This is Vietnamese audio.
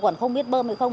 còn không biết bơm hay không